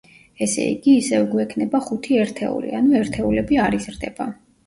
ესე იგი, ისევ გვექნება ხუთი ერთეული, ანუ ერთეულები არ იზრდება.